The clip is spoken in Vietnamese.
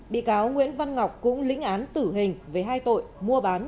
bị cáo nguyễn văn ngọc cũng lĩnh án tử hình về hai tội mua bán